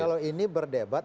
kalau ini berdebat